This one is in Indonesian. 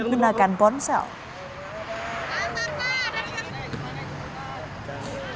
tapi mengunduh berati patu khalifah j esc shops